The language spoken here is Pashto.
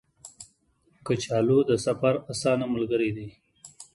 کچالو د سفر اسانه ملګری دی